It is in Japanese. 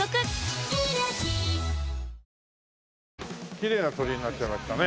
きれいな鳥居になっちゃいましたね。